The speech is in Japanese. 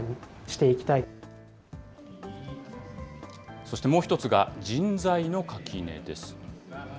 そしてもう１つが、人材の垣根です。